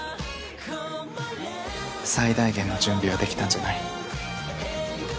最大限の準備はできたんじゃない？